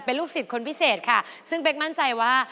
เป็นลูกศิษย์คนพิเศษค่ะซึ่งเป๊กมั่นใจว่า